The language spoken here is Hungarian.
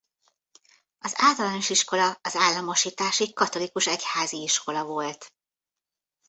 Az általános iskola az államosításig katolikus egyházi iskola volt.